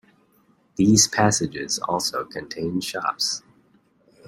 These passages also contain shops.